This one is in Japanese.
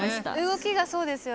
動きがそうですよね。